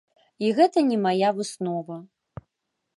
І гэта не мая выснова.